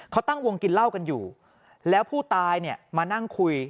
เขาตั้งวงกินเหล้ากันอยู่แล้วผู้ตายเนี่ยมานั่งคุย